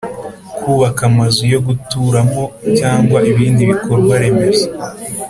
kubaka amazu yo guturamo cyangwa ibindi bikorwa remezo,